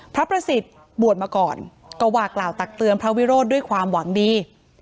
พระประสิทธิ์บวชมาก่อนก็ว่ากล่าวตักเตือนพระวิโรธด้วยความหวังดี